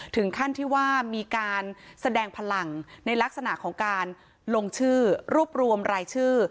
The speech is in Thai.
ถึงขั้นที่ว่ามีการแสดงพลังในลักษณะของการลงชื่อรวบรวมรายชื่อ